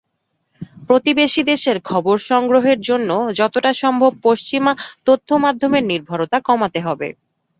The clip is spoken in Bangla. প্রতিবেশী দেশের খবর সংগ্রহের জন্য যতটা সম্ভব পশ্চিমা তথ্যমাধ্যমের নির্ভরতা কমাতে হবে।